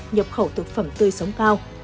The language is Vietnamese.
nhập khẩu thực phẩm tươi sống cao